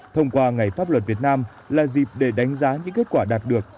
thông qua ngày pháp luật việt nam là dịp để đánh giá những kết quả đạt được